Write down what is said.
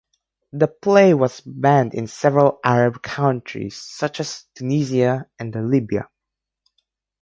The play was banned in several Arab countries such as Tunisia and Libya.